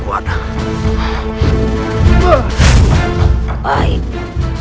aku harus membantu